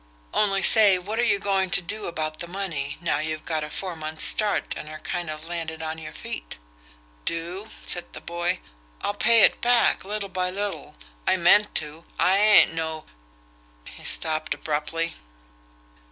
Only say, what are you going to do about the money, now you've got a four months' start and are kind of landed on your feet? "Do?" said the boy. "I'll pay it back, little by little. I meant to. I ain't no " He stopped abruptly.